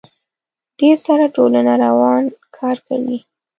دې سره ټولنه روان کار کوي.